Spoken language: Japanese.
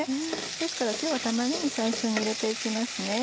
ですから今日は玉ねぎ最初に入れて行きますね。